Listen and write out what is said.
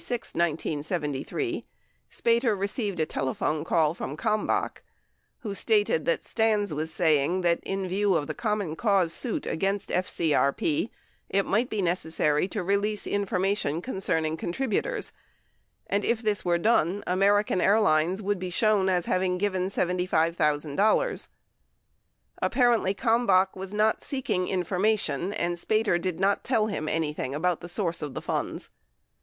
449 More than a year later, on about April 26, 1973, Spater received a telephone call from Ivalmbach, who stated that Stans was saying that in view of the Common Cause suit against FCBP, it might be necessary to release information concerning contributors; and if this were done, A m erican Airlines would be shown as having given $75,000. Appar ently Ivalmbach was not seeking information, and Spater did not tell him anything about the source of the funds.